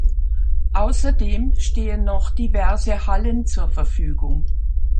Außerdem stehen noch diverse Hallen zur Verfügung.